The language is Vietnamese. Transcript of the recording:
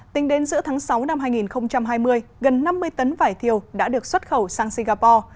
tính đến giữa tháng sáu năm hai nghìn hai mươi gần năm mươi tấn vải thiều đã được xuất khẩu sang singapore